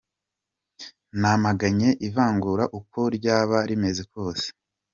"Namaganye ivangura uko ryaba rimeze kose.